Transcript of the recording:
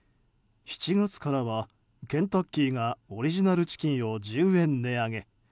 ７月からはケンタッキーがオリジナルチキンを１０円値上げ。